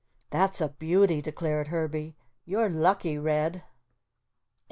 "That's a beauty," declared Herbie, "You're lucky, Red."